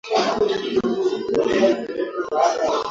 Mnyama aliwahi kupata maambukizi awali